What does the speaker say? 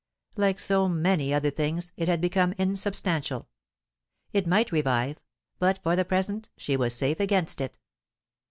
Like so many other things, it had become insubstantial. It might revive, but for the present she was safe against it.